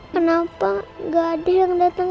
kenapa gak ada yang datang